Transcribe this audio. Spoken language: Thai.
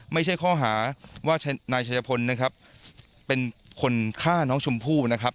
ไม่ใช่ข้อหาว่านายชัยพลนะครับเป็นคนฆ่าน้องชมพู่นะครับ